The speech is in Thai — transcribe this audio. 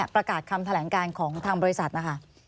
ประกาศคำแถลงการของทางบริษัทนะคะ